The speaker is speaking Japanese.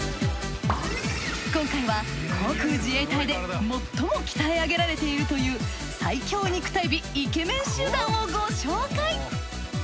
今回は航空自衛隊で最も鍛え上げられているという最強肉体美イケメン集団をご紹介。